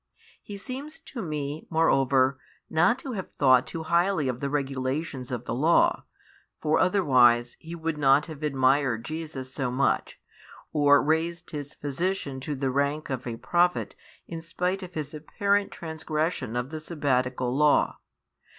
He seems to me, moreover, not to have thought too highly of the regulations of the law; for [otherwise] he would not have admired Jesus so much, or raised his Physician to the rank of a prophet in spite of his apparent transgression of the sabbatical law.